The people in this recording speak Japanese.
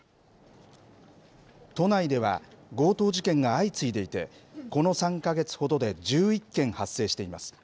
都内では、強盗事件が相次いでいて、この３か月ほどで１１件発生しています。